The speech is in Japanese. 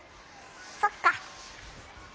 そっか。